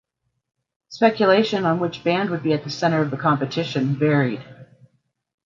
Speculation on which band would be at the center of the competition varied.